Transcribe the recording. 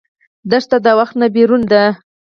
دښته د وخت نه بېرون ده.